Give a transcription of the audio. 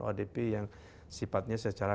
odp yang sifatnya secara